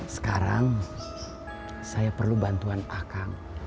sekarang saya perlu bantuan akan